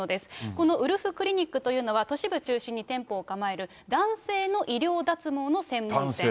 このウルフクッニックというのは都市部中心に店舗を構える男性の医療脱毛の専門店。